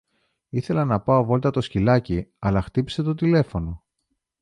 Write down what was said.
Ήθελα να πάω βόλτα το σκυλάκι αλλά χτύπησε το τηλέφωνο.